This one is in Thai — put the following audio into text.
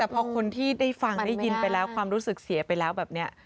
แต่พอคนที่ได้ฟังได้ยินไปแล้วความรู้สึกเสียไปแล้วแบบนี้